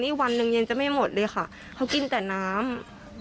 นี่วันหนึ่งเย็นจะไม่หมดเลยค่ะเขากินแต่น้ำ